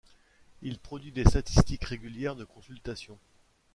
Il produit des statistiques régulières de consultation.